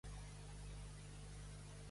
Voldria un tallat, me'l prepararies?